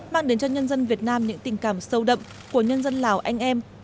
mang đến cho nhân dân việt nam những tình cảm sâu đậm của nhân dân lào anh em